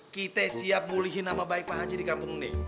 kita siap mulihin nama baik pak haji di kampung ini